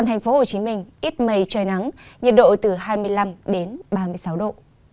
thành phố hồ chí minh ít mây trời nắng nhiệt độ từ hai mươi năm đến ba mươi sáu độ